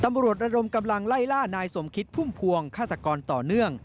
ระดมกำลังไล่ล่านายสมคิดพุ่มพวงฆาตกรต่อเนื่อง